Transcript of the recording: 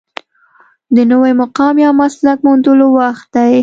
د نوي مقام یا مسلک موندلو وخت دی.